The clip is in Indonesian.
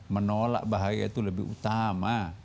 menolak bahaya itu lebih utama